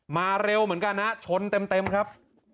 เร็วเหมือนกันฮะชนเต็มครับ